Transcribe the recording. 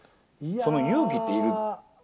その勇気っている？